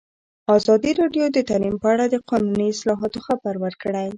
ازادي راډیو د تعلیم په اړه د قانوني اصلاحاتو خبر ورکړی.